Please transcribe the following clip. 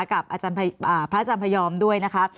กับอาจารย์พระอาจารย์พระยอมด้วยนะคะ